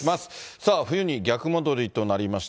さあ、冬に逆戻りとなりました。